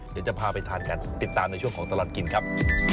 เดี๋ยวจะพาไปทานกันติดตามในช่วงของตลอดกินครับ